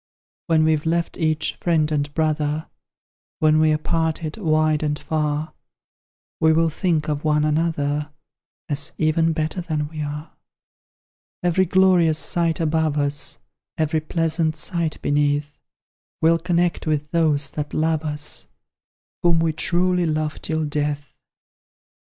When we've left each friend and brother, When we're parted wide and far, We will think of one another, As even better than we are. Every glorious sight above us, Every pleasant sight beneath, We'll connect with those that love us, Whom we truly love till death!